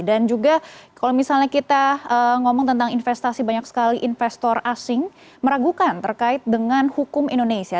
dan juga kalau misalnya kita ngomong tentang investasi banyak sekali investor asing meragukan terkait dengan hukum indonesia